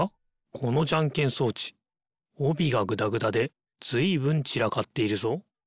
このじゃんけん装置おびがぐだぐだでずいぶんちらかっているぞ。